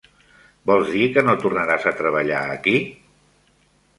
Vols dir que no tornaràs a treballar aquí?